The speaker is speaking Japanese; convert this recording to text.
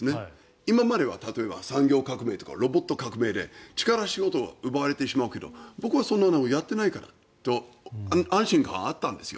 今までは例えば産業革命とかロボット革命で力仕事を奪われてしまうけど僕はそんなことはやっていないからと安心感はあったんですよ。